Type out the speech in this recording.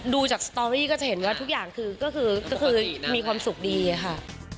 ดูจากสตอรี่ก็จะเห็นว่าทุกอย่างคือก็คือมีความสุขดีค่ะ